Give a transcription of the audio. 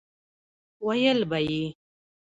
ويل به يې